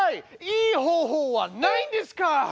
いい方法はないんですか！